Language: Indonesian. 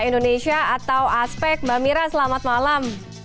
indonesia atau aspek mbak mira selamat malam